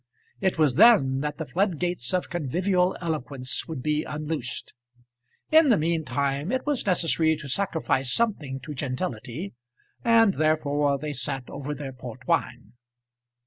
It was then that the floodgates of convivial eloquence would be unloosed. In the mean time it was necessary to sacrifice something to gentility, and therefore they sat over their port wine.